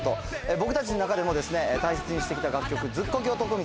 僕たちの中でも大切にしてきた楽曲『ズッコケ男道』。